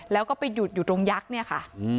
แล้วก็ไปหยุดอยู่ตรงยักษ์เนี่ยค่ะ